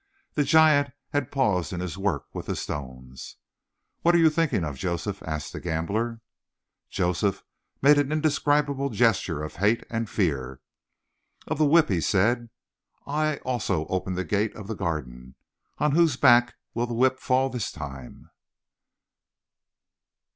The giant had paused in his work with the stones. "What are you thinking of, Joseph?" asked the gambler. Joseph made an indescribable gesture of hate and fear. "Of the whip!" he said. "I also opened the gate of the Garden. On whose back will the whip fall this time?"